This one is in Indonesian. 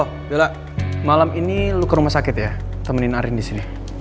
halo dola malam ini lo ke rumah sakit ya temenin arin disini